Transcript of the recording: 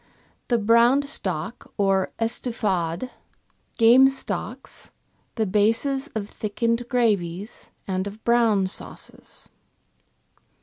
The brown stock or " estouffade," game stocks, the bases of thickened gravies and of brown sauces.